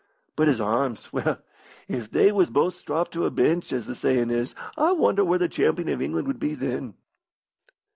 But his arms well, if they was both stropped to a bench, as the sayin' is, I wonder where the champion of England would be then."